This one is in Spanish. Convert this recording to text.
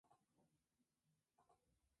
Ferreira completó su educación en Uberlândia.